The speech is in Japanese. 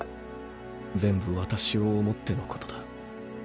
全部私を思ってのことだ。